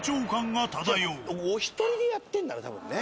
お一人でやってんだろう多分ね。